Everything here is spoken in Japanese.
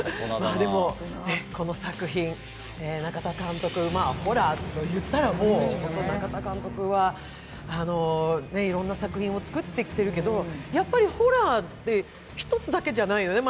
この作品、中田監督、ホラーといったらという、もう中田監督はいろんな作品を作ってきてるけどやっぱりホラーって、一つだけじゃないのよね。